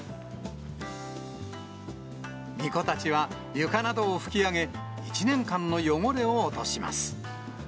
みこたちは、床などを拭き上げ、１年間の汚れを落とします。